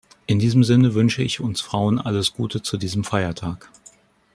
In diesem Sinne wünsche ich uns Frauen alles Gute zu diesem Feiertag!